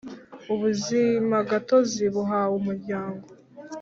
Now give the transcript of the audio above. Ubuzimagatozi buhawe umuryango